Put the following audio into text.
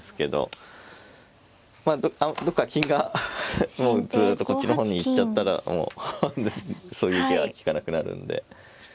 どっか金がもうずっとこっちの方に行っちゃったらもうそういう手は利かなくなるんで。